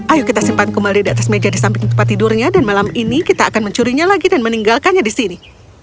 ayo kita simpan kembali di atas meja di samping tempat tidurnya dan malam ini kita akan mencurinya lagi dan meninggalkannya di sini